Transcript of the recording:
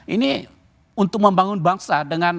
ini untuk membangun bangsa dengan